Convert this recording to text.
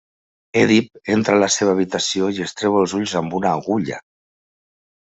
Èdip entra a la seva habitació i es treu els ulls amb una agulla.